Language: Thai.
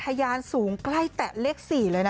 ยานสูงใกล้แตะเลข๔เลยนะ